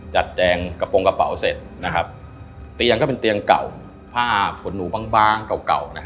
แจงกระโปรงกระเป๋าเสร็จนะครับเตียงก็เป็นเตียงเก่าผ้าขนหนูบ้างเก่าเก่านะฮะ